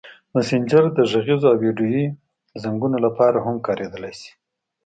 مسېنجر د غږیزو او ویډیويي زنګونو لپاره هم کارېدلی شي.